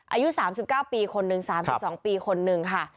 อายุ๓๙ปีคนหนึ่ง๓๒ปีคนนึงค่ะ